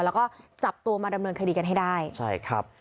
แล้วก็จับตัวมาดำเนินคดีกันให้ได้